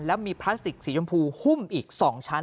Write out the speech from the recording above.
แล้วมีพลาสติกสีชมพูหุ้มอีก๒ชั้น